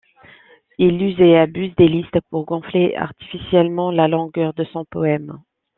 Il use et abuse des listes pour gonfler artificiellement la longueur de son poème.